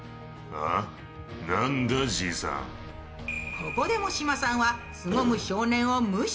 ここでも島さんは、すごむ少年を無視。